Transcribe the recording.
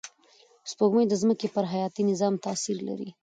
سپوږمۍ د ځمکې پر حیاتي نظام تأثیر لري